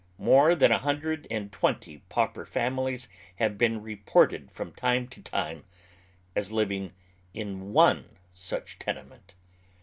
More than a hundred and twenty pauper families have been reported from time to time ae living in one such tenement.